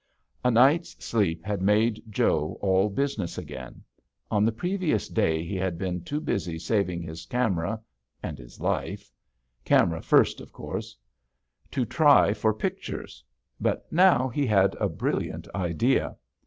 A night's sleep had made Joe all business again. On the previous day he had been too busy saving his camera and his life camera first, of course to try for pictures. But now he had a brilliant idea.